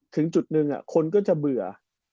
ถึงจุดหนึ่งคนก็จะเบื่อ